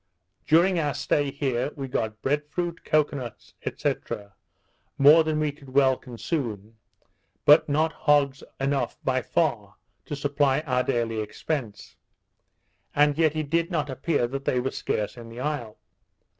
During our stay here we got bread fruit, cocoa nuts, &c. more than we could well consume, but not hogs enough by far to supply our daily expence; and yet it did not appear that they were scarce in the isle.